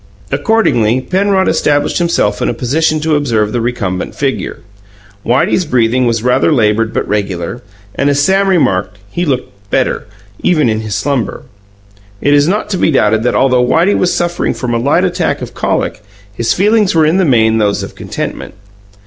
Accordingly, Penrod established himself in a position to observe the recumbent figure. Whitey's breathing was rather laboured but regular, and, as Sam remarked, he looked "better", even in his slumber. It is not to be doubted that although Whitey was suffering from a light attack of colic his feelings were in the main those of contentment.